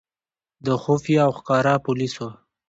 د خفیه او ښکاره پولیسو.